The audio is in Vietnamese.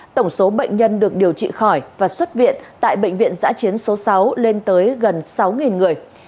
tổng số bệnh nhân được điều trị khỏi và xuất viện tại bệnh viện giã chiến số sáu lên tới gần sáu người